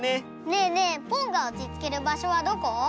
ねえねえポンがおちつける場所はどこ？